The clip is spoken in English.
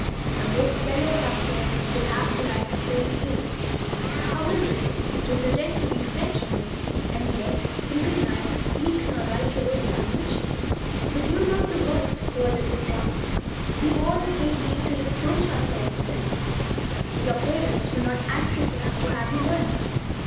Now those fellows out there will have the right to say to you: 'How is it; you pretend to be Frenchmen, and yet you can neither speak nor write your own language?' But you are not the worst, poor little Franz. We've all a great deal to reproach ourselves with. "Your parents were not anxious enough to have you learn.